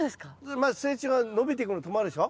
まず成長が伸びてくるの止まるでしょ？